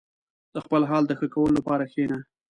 • د خپل حال د ښه کولو لپاره کښېنه.